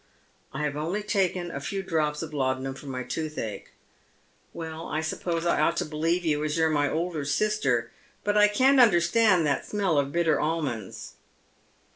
" I have only taken a few drops of laudanum for my tooth ache." " Well, I suppose I ought to believe you, as you're my elder sister. But I can't understand that smell of bitter almonds."